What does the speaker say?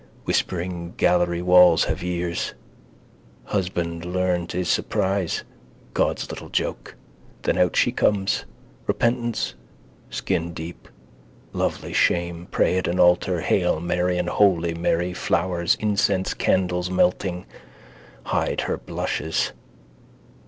Whispering gallery walls have ears. Husband learn to his surprise. God's little joke. Then out she comes. Repentance skindeep. Lovely shame. Pray at an altar. Hail Mary and Holy Mary. Flowers, incense, candles melting. Hide her blushes.